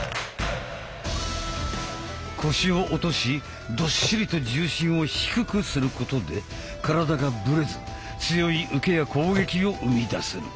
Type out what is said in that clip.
腰を落としどっしりと重心を低くすることで体がぶれず強い受けや攻撃を生み出せる。